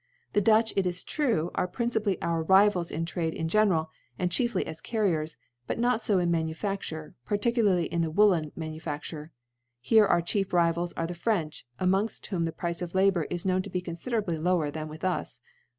The DuUby it is true, are principally our Rivals in Trade in general, and chiefly as Carriers ; but not fo in Manufafture, particularly in the. Woollen Manufafturc. Here our chief Rivals are the French^ amongft whom the Price of Labour is known to be con&ier .ably lower than with us.